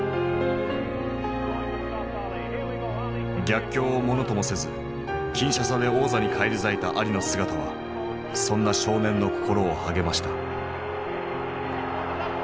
逆境をものともせずキンシャサで王座に返り咲いたアリの姿はそんな少年の心を励ました。